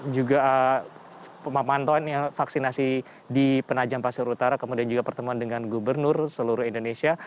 juga pemantauan vaksinasi di penajam pasir utara kemudian juga pertemuan dengan gubernur seluruh indonesia